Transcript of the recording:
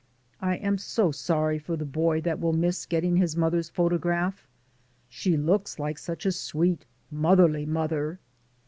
I am so sorry for the boy that will miss getting his mother's photograph. She looks like such a sweet, motherly mother.